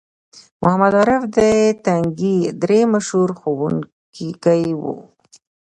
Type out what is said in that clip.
محمد عارف د تنگي درې مشهور ښوونکی وو